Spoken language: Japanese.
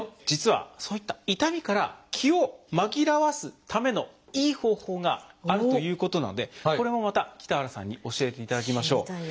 実はそういった痛みから気を紛らわすためのいい方法があるということなのでこれもまた北原さんに教えていただきましょう。